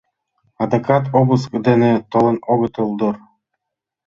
Адакат обыск дене толын огытыл дыр?